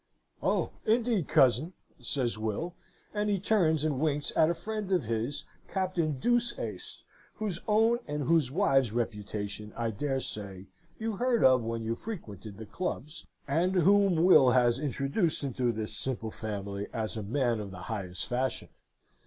"'Oh, indeed, cousin,' says Will, and he turns and winks at a friend of his, Captain Deuceace, whose own and whose wife's reputation I dare say you heard of when you frequented the clubs, and whom Will has introduced into this simple family as a man of the highest fashion.